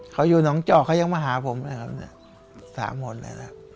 เขาอยู่หนองเจ้าเขายังมาหาผมนะครับสามวันเลยครับ